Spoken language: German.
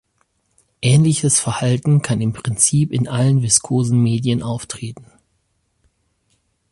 Ähnliches Verhalten kann im Prinzip in allen viskosen Medien auftreten.